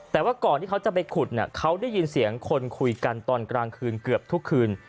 แต่ว่าก่อนที่เขาจะไปขุดเนี่ยเขาได้ยินเสียงคนคุยกันตอนกลางคืนเกือบทุกคืน